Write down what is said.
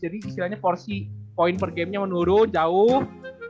jadi istilahnya porsi poin per game nya menurun jauh